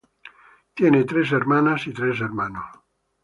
Tiene tres hermanas y tres hermanos.